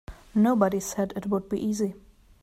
Nobody said it would be easy.